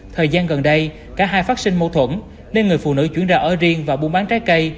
thời gian gần đây cả hai phát sinh mâu thuẫn nên người phụ nữ chuyển ra ở riêng và buôn bán trái cây